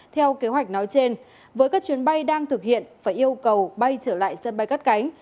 theo kế hoạch nói trên với các chuyến bay đang thực hiện phải yêu cầu bay trở lại sân bay cất cánh